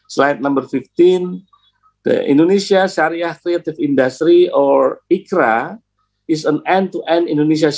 slide nomor lima belas indonesia syariah kreatif industri atau ikra adalah program pembangunan bisnis